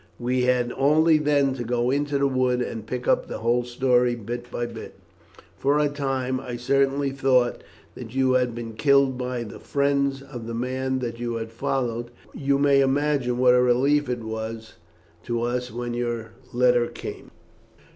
We had only then to go into the wood and pick up the whole story bit by bit. For a time I certainly thought that you had been killed by the friends of the man that you had followed, and you may imagine what a relief it was to us when your letter came.